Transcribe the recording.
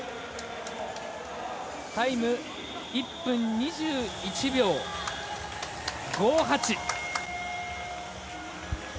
タイム、１分２１秒５８。